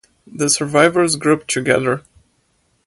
The survivors grouped together.